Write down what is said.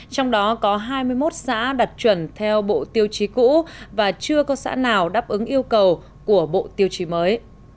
trong đó có hai mươi một xã đặt chuẩn theo bộ tiêu chí cũ và chưa có xã nào đáp ứng yêu cầu của bộ tiêu chí mới